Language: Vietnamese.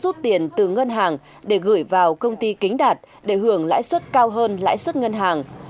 công ty đã rút tiền từ ngân hàng để gửi vào công ty kính đạt để hưởng lãi suất cao hơn lãi suất ngân hàng